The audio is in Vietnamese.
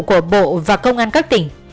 của bộ và công an các tỉnh